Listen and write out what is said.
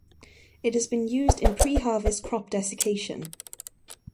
It has been used in pre-harvest crop desiccation.